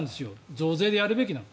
増税でやるべきなの。